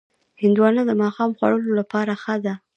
هندوانه د ماښام خوړلو لپاره ښه ده.